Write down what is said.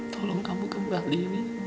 tolong kamu kembali